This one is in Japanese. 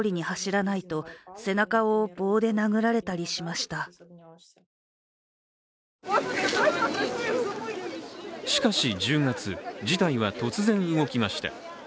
しかし１０月、事態は突然動きました。